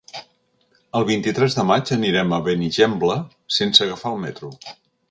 El vint-i-tres de maig anirem a Benigembla sense agafar el metro.